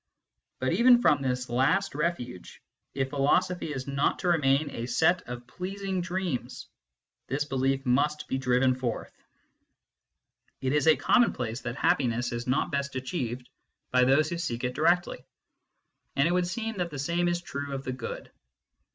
But even from this last refuge, if philosophy is not to remain a set of pleasing dreams, this belief must be driven forth. It is a commonplace that MYSTICISM AND LOGIC 31 happiness is not best achieved by those who seek it directly ; and it would seem that the same is true of the good.